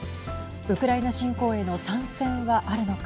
ウクライナ侵攻への参戦はあるのか。